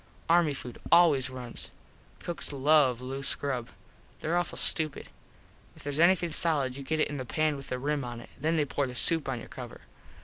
Army food always runs. Cooks love loose grub. There awful stupid. If theres anything solid you get it in the pan with the rim on it. Then they pour the soup on your cover.